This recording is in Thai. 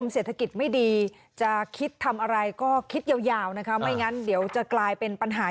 เศรษฐกิจไม่ดีจะคิดทำอะไรก็คิดยาวนะคะไม่งั้นเดี๋ยวจะกลายเป็นปัญหา